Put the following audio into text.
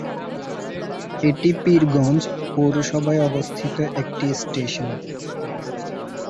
এটি পীরগঞ্জ পৌরসভায় অবস্থিত একটি স্টেশন।